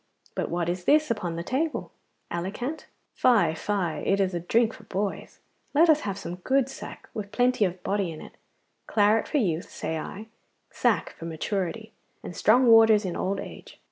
'But what is this upon the table? Alicant? Fie, fie, it is a drink for boys. Let us have some good sack with plenty of body in it. Claret for youth, say I, sack for maturity, and strong waters in old age.